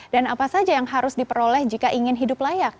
dan apa saja yang harus diperoleh jika ingin hidup layak